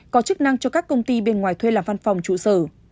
có chức năng cho các công ty bên ngoài thuê làm văn phòng trụ sở